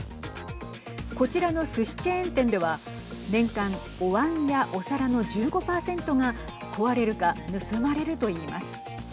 こちらのすしチェーン店では年間おわんやお皿の１５％が壊れるか盗まれると言います。